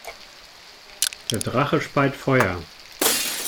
Der Drache speit Feuer.